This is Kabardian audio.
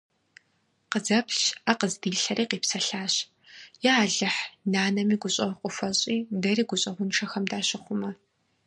Къызэплъщ, Ӏэ къыздилъэри, къипсэлъащ: - Я Алыхь, нанэми гущӀэгъу къыхуэщӀи, дэри гущӀэгъуншэхэм дащыхъумэ…